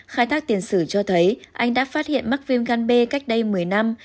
khai thác tiền sử cho thấy anh đã phát hiện mắc viêm gan b cách đây một mươi năm